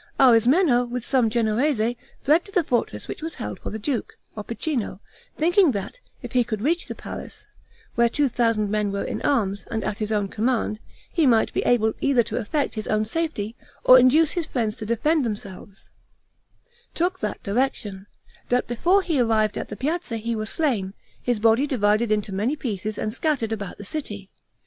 Arismeno, with some Genoese, fled to the fortress which was held for the duke, Opicino, thinking that if he could reach the palace, where two thousand men were in arms, and at his command, he might be able either to effect his own safety, or induce his friends to defend themselves, took that direction; but before he arrived at the piazza he was slain, his body divided into many pieces and scattered about the city.